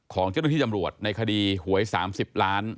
ของเจ้าหน้าที่ตำรวจในคดีหวย๓๐ล้าน